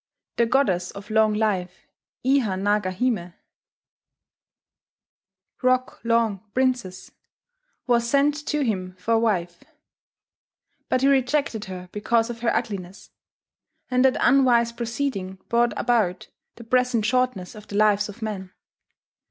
The Goddess of Long Life, Iha naga hime (Rock long princess), was sent to him for wife; but he rejected her because of her ugliness; and that unwise proceeding brought about "the present shortness of the lives of men."